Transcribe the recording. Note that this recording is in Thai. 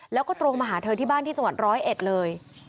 แล้วก็ตรงมาหาเธอที่บ้านที่จังหวัดร้อยเอ็ดเลย